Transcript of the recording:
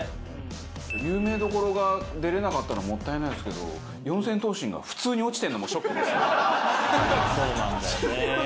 有名どころが出れなかったのもったいないですけど四千頭身が普通に落ちてるのもショックですよねそうなんだよね